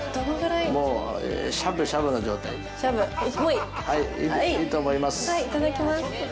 いただきます。